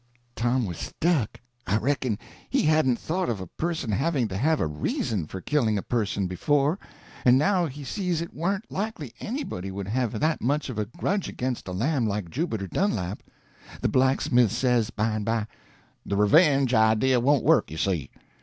Tom was stuck. I reckon he hadn't thought of a person having to have a reason for killing a person before, and now he sees it warn't likely anybody would have that much of a grudge against a lamb like Jubiter Dunlap. The blacksmith says, by and by: "The revenge idea won't work, you see.